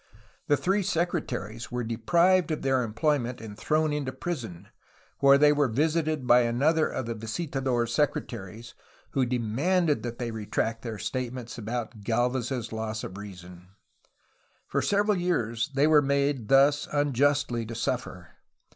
The three secretaries were deprived of their employment and thrown into prison, where they were visited by another of the visitador^ s secretaries, who demanded that they retract their statements about Galvez's loss of reason. For several years they were made thus unjustly to suffer.